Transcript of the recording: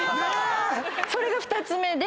それが２つ目で。